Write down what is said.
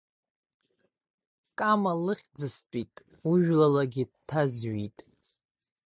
Кама лыхьӡыстәит, ужәлалагьы дҭазҩит.